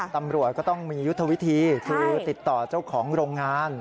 ตำรวจก็ต้องมียุทธวิธีคือติดต่อเจ้าของโรงงาน